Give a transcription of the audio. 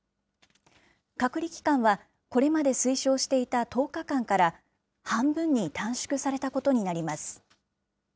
隔離期間は、これまで推奨していた１０日間から半分に短縮されたことになります。